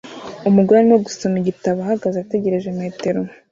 Umugore arimo gusoma igitabo ahagaze ategereje metero